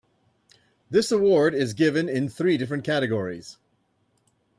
This award is given in three different categories.